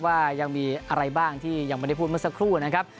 ว่ายังมีอะไรบ้างที่ยังไม่ได้พูดเมื่อสักครู่นะครับ